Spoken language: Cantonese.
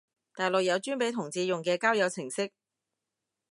大陸有專俾同志用嘅交友程式？